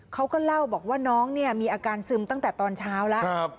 เขาก็เล่าบอกว่าน้องเนี่ยมีอาการซึมตั้งแต่ตอนเช้าแล้ว